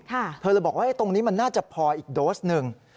เธอเลยบอกว่าตรงนี้มันน่าจะพออีกโดสหนึ่ง